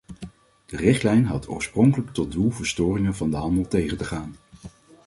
De richtlijn had oorspronkelijk tot doel verstoringen van de handel tegen te gaan.